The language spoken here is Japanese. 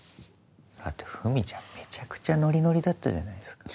だってふみちゃんめちゃくちゃノリノリだったじゃないですか。